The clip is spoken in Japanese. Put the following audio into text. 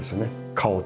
顔と。